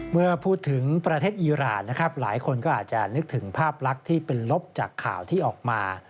เมื่อพูดถึงประเทศอีรานนะครับหลายคนก็อาจจะนึกถึงภาพลักษณ์ที่เป็นลบจากข่าวที่ออกมา